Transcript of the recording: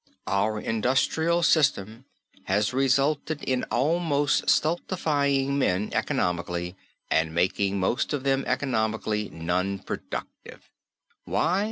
Our industrial system has resulted in almost stultifying men economically and making most of them economically non productive. Why?